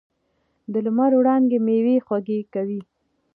د لمر وړانګې میوې خوږې کوي.